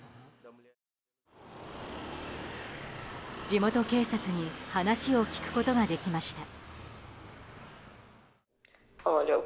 地元警察に話を聞くことができました。